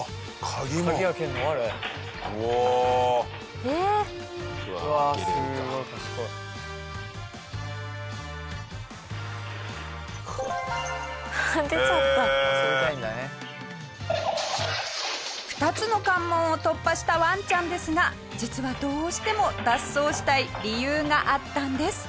下平：２つの関門を突破したワンちゃんですが実は、どうしても脱走したい理由があったんです。